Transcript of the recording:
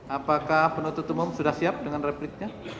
apakah penuntut umum sudah siap dengan replitnya